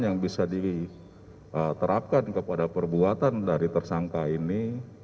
yang bisa diterapkan kepada perbuatan dari tersangka ini